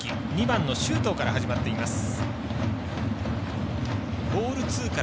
２番の周東から始まっています。